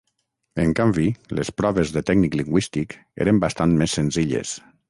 En canvi, les proves de tècnic lingüístic eren bastant més senzilles.